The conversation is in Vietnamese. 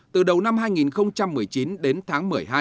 từ đầu năm hai nghìn một mươi chín đến tháng một mươi hai